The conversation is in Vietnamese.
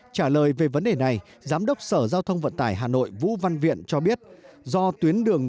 trả lời về vấn đề này giám đốc sở giao thông vận tải hà nội vũ văn viện cho biết do tuyến đường